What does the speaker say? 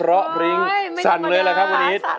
ยังเย็น